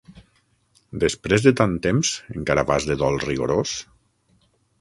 Després de tant temps encara vas de dol rigorós?